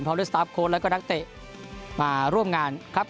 ด้วยสตาร์ฟโค้ดแล้วก็นักเตะมาร่วมงานครับ